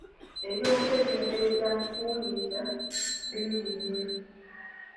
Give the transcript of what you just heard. Eby’okwegendereza mu kuwuliriza bingi nnyo.